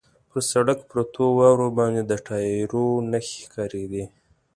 پر سړک پرتو واورو باندې د ټایرو نښې ښکارېدې.